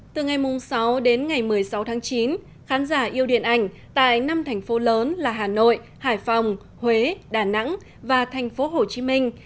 từ ngày sáu đến ngày một mươi sáu tháng chín khán giả yêu điện ảnh tại năm thành phố lớn là hà nội hải phòng huế đà nẵng và thành phố hồ chí minh